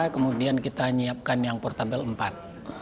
kemudian kita menyiapkan yang portable empat